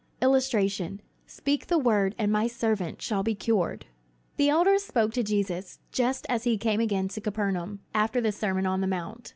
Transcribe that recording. [Illustration: "Speak the word and my servant shall be cured"] The elders spoke to Jesus, just as he came again to Capernaum, after the Sermon on the Mount.